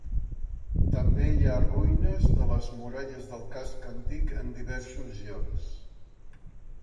També hi ha ruïnes de les muralles del casc antic en diversos llocs.